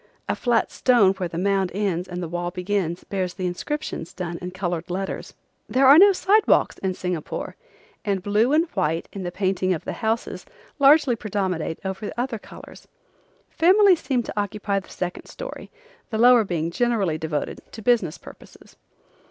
A flat stone where the mound ends and the wall begins bears the inscriptions done in colored letters. There are no sidewalks in Singapore, and blue and white in the painting of the houses largely predominate over other colors. Families seem to occupy the second story, the lower being generally devoted to business purposes.